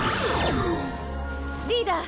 リーダー！